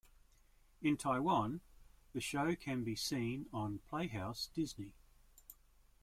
In Taiwan, the show can be seen on Playhouse Disney.